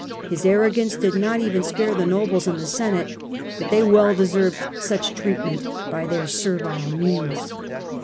His arrogance did not even spare the nobles and the Senate, but they well deserved such treatment by their servile meanness.